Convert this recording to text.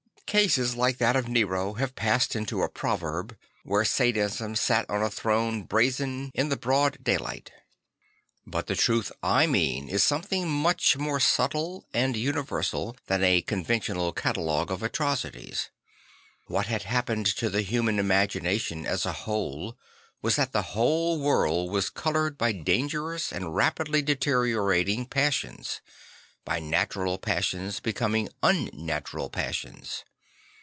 Cases like that of Nero have passed into a proverb, when Sadism sat on a throne brazen in the broad 3 0 St. Francis of Assisi daylight. But the truth I mean is something much more subtle and universal than a con ventional catalogue of atrocities. What had happened to the human imagination, as a whole, was that the whole world was coloured by dan gerous and rapidly deteriorating passions; by natural passions becoming unnatural passions.